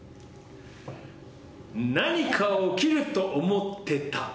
何か起きると思ってた。